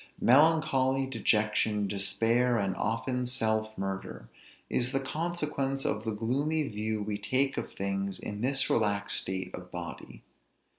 Melancholy, dejection, despair, and often self murder, is the consequence of the gloomy view we take of things in this relaxed state of body.